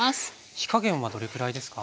火加減はどれくらいですか？